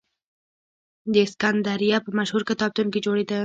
د سکندریه په مشهور کتابتون کې جوړېده.